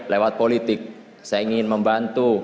lewat politik saya ingin membantu